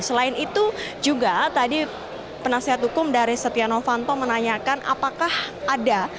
selain itu juga tadi penasihat hukum dari setia novanto menanyakan apakah ada